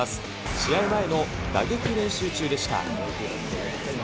試合前の打撃練習中でした。